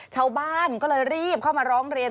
ชาวบ้านก็เลยรีบเข้ามาร้องเรียน